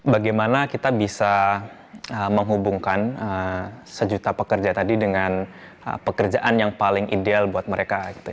bagaimana kita bisa menghubungkan sejuta pekerja tadi dengan pekerjaan yang paling ideal buat mereka